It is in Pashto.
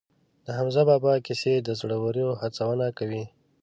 د حمزه بابا کیسې د زړورو هڅونه کوي.